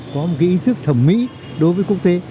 có một cái ý thức thẩm mỹ đối với quốc tế